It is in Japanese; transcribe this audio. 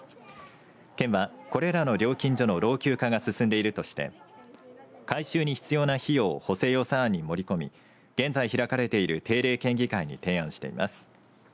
県は、これらの料金所の老朽化が進んでいるとして改修に必要な費用を補正予算案に盛り込み現在開かれている定例県議会に提案しています。